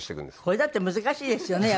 これだって難しいですよね